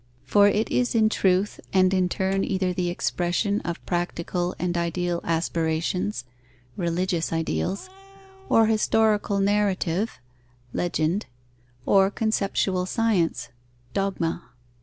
For it is in truth and in turn either the expression of practical and ideal aspirations (religious ideals), or historical narrative (legend), or conceptual science (dogma).